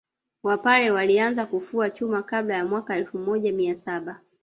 Wapare walianza kufua chuma kabla ya mwaka elfu moja mia saba